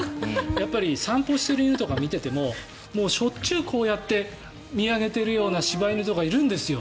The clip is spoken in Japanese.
やっぱり散歩している犬とかを見ていてももうしょっちゅう、こうやって見上げてるような柴犬とかいるんですよ。